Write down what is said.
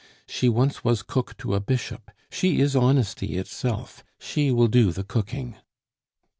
"She once was cook to a bishop; she is honesty itself; she will do the cooking."